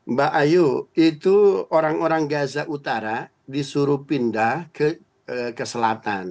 mbak ayu itu orang orang gaza utara disuruh pindah ke selatan